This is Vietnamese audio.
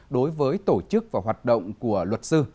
đối với tổ chức và hoạt động của luật sư